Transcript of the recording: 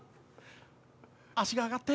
足が上がって。